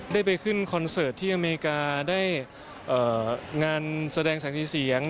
ได้ไปขึ้นคอนเสิร์ตที่อเมริกาได้งานแสดงสังกีเสียง